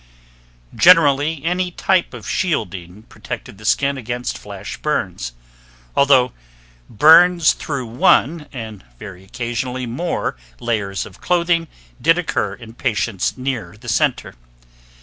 Generally, any type of shielding protected the skin against flash burns, although burns through one, and very occasionally more, layers of clothing did occur in patients near the center.